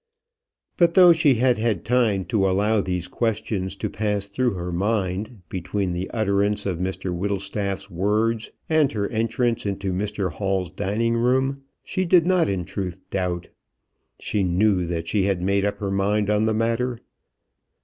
But though she had had time to allow these questions to pass through her mind between the utterance of Mr Whittlestaff's words and her entrance into Mr Hall's drawing room, she did not in truth doubt. She knew that she had made up her mind on the matter.